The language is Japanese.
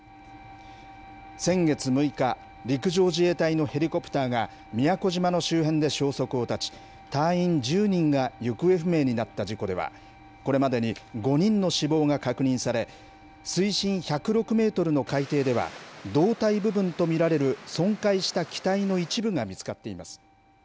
先月６日、陸上自衛隊のヘリコプターが宮古島の周辺で消息を絶ち、隊員１０人が行方不明になった事故では、これまでに５人の死亡が確認され、水深１０６メートルの海底では、胴体部分と見られる損壊した機体の一部が見つかっています。